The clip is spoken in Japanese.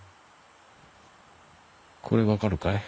これ分かるかい？